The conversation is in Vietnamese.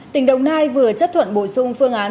tỉnh đồng nai vừa chấp thuận bổ sung phương án